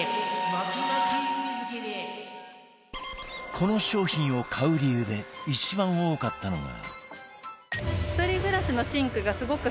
この商品を買う理由で一番多かったのが